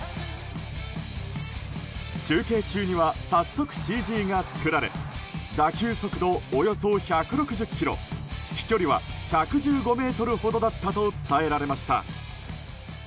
中継中には早速、ＣＧが作られ打球速度およそ１６０キロ飛距離は１１５ｍほどだったと伝えられました。